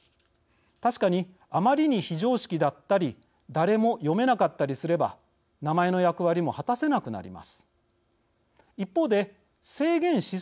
確かにあまりに非常識だったり誰も読めなかったりすれば名前の役割も果たせなくなります。